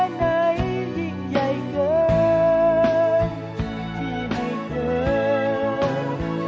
รักมาแค่ไหนยิ่งใหญ่เกินที่ไม่เกิน